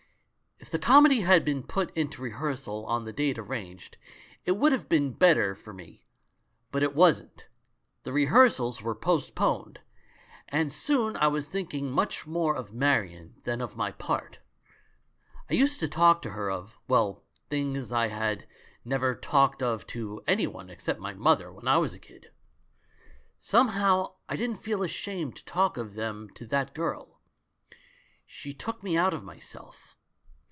"If the comedy had been put into rehearsal on the date arranged it would have been better for me. But it wasn't — the rehearsals were post poned — and soon I was thinking much more of Marion than of my part. I used to talk to her of — well, of things I had never talked of to any one except my mother when I was a kid. Some how I didn't feel ashamed to talk of them to that girl. She took me out of myself.